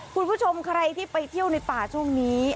คุณผู้ชมใครที่ไปเที่ยวในป่าช่วงนี้